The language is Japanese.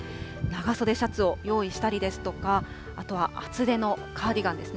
長袖シャツを用意したりですとか、あとは、厚手のカーディガンです。